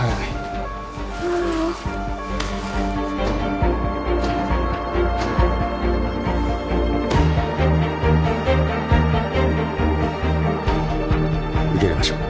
ママ受け入れましょう。